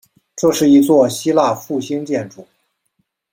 这是一座希腊复兴建筑。